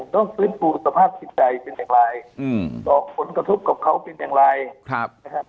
ต้องคลิปปูสภาพสินใจเป็นแห่งไรต่อผลกระทบกับเขาเป็นแห่งไรครับ